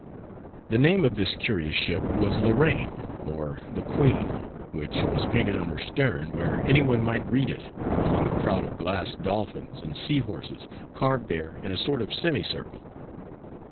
The name of this curious ship was La Reine, or The Queen, which was painted on her stern where any one might read it, among a crowd of glass dolphins and sea horses carved there in a sort of semicircle.